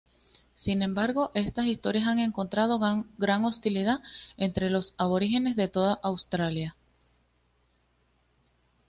Sin embargo, estas historias han encontrado gran hostilidad entre los aborígenes de toda Australia.